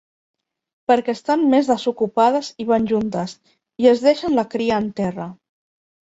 Perquè estan més desocupades i van juntes, i es deixen la cria en terra.